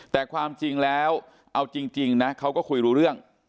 แต่ความจริงแล้วเอาจริงนะเขาก็คุยรู้เรื่อง